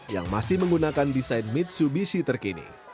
yang masih menggunakan desain mitsubishi terkini